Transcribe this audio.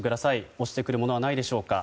落ちてくるものはないでしょうか。